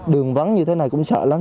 đường vắng như thế này cũng sợ lắm